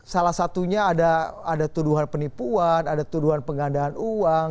salah satunya ada tuduhan penipuan ada tuduhan penggandaan uang